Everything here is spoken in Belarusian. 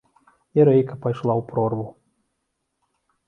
І рэйка пайшла ў прорву.